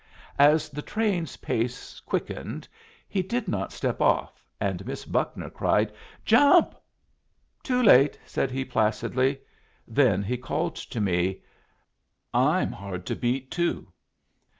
As the train's pace quickened he did not step off, and Miss Buckner cried "Jump!" "Too late," said he, placidly. Then he called to me, "I'm hard to beat, too!"